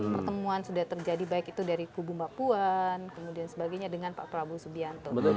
pertemuan sudah terjadi baik itu dari kubu mbak puan kemudian sebagainya dengan pak prabowo subianto